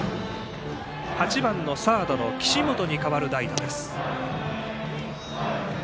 ８番のサードの岸本に代わる代打です。